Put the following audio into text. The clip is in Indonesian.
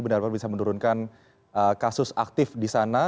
benar benar bisa menurunkan kasus aktif di sana